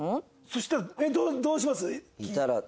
そしたらえっどうします？